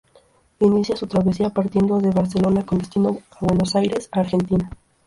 Inicia su travesía partiendo de Barcelona con destino a Buenos Aires, Argentina.